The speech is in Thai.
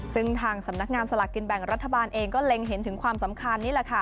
ซึ่งทางสำนักงานสลากกินแบ่งรัฐบาลเองก็เล็งเห็นถึงความสำคัญนี่แหละค่ะ